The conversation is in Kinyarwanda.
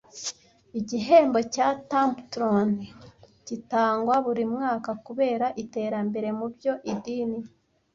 Igihembo cya Templeton gitangwa buri mwaka kubera iterambere mubyo Idini